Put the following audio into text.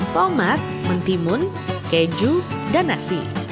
tomat mentimun keju dan nasi